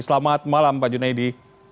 selamat malam pak junaidi